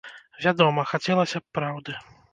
Вядома, хацелася б праўды.